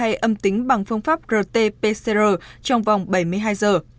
hay âm tính bằng phương pháp rt pcr trong vòng bảy mươi hai giờ